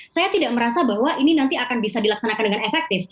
saya tidak merasa bahwa ini nanti akan bisa dilaksanakan dengan efektif